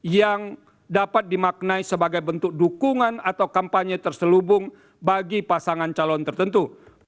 yang dapat dimaknai sebagai bentuk dukungan atau kampanye terselubung bagi pasangan calon tertentu